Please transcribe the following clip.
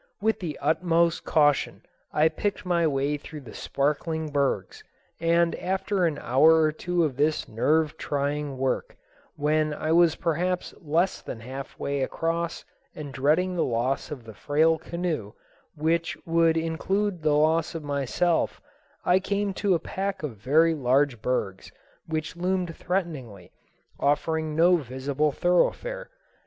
With the utmost caution I picked my way through the sparkling bergs, and after an hour or two of this nerve trying work, when I was perhaps less than halfway across and dreading the loss of the frail canoe which would include the loss of myself, I came to a pack of very large bergs which loomed threateningly, offering no visible thoroughfare.